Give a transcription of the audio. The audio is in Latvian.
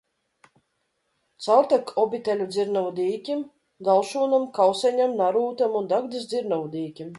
Caurtek Obiteļu dzirnavu dīķim, Galšūnam, Kauseņam, Narūtam un Dagdas dzirnavu dīķim.